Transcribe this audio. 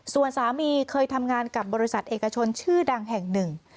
ส่วนสามีเคยทำงานกับบริษัทเอกชนชื่อดังแห่งหนึ่ง